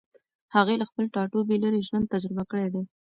هغې له خپل ټاټوبي لېرې ژوند تجربه کړی دی.